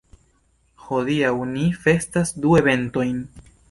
Hodiaŭ ni festas du eventojn.